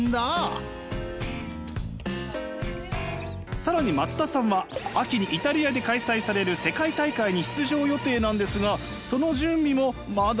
更に松田さんは秋にイタリアで開催される世界大会に出場予定なんですがその準備もまだまだ。